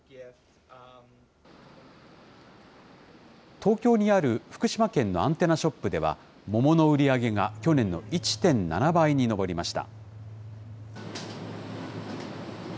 東京にある福島県のアンテナショップでは、桃の売り上げが去年の１．７倍に上りました。